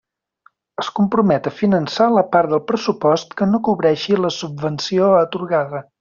Es compromet a finançar la part del pressupost que no cobreixi la subvenció atorgada.